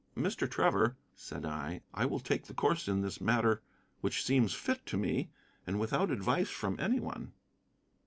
"Mr. Trevor," said I, "I will take the course in this matter which seems fit to me, and without advice from any one."